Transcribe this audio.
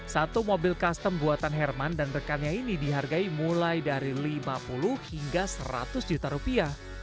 satu mobil custom buatan herman dan rekannya ini dihargai mulai dari lima puluh hingga seratus juta rupiah